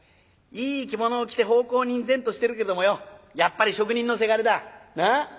いい着物を着て奉公人然としてるけどもよやっぱり職人のせがれだ。なあ？